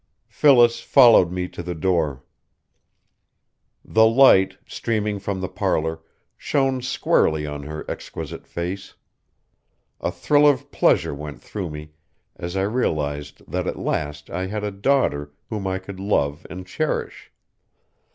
Phyllis followed me to the door. The light, streaming from the parlor, shone squarely on her exquisite face. A thrill of pleasure went through me as I realized that at last I had a daughter whom I could love and cherish.